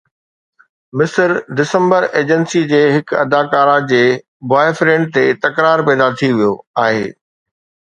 مصر December agency جي هڪ اداڪارا جي بوائے فرينڊ تي تڪرار پيدا ٿي ويو آهي